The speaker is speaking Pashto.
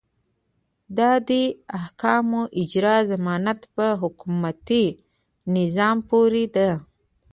د دې احکامو اجرا ضمانت په حکومتي نظام پورې ده.